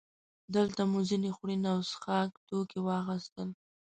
دلته مو ځینې خوړن او څښاک توکي واخیستل.